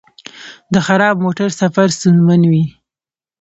د خراب موټر سفر ستونزمن وي.